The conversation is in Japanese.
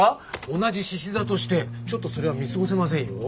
同じしし座としてちょっとそれは見過ごせませんよ。